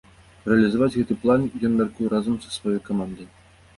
Рэалізаваць гэты план ён мяркуе разам са сваёй камандай.